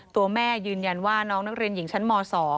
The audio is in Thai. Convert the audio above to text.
ตัวแม่ยืนยันว่าน้องนักเรียนหญิงชั้นม๒